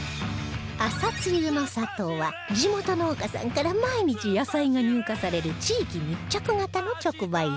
あさつゆの里は地元農家さんから毎日野菜が入荷される地域密着型の直売所